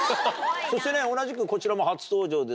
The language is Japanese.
そしてね同じくこちらも初登場ですね。